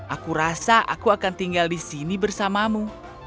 aku rasa aku akan tinggal di sini bersamamu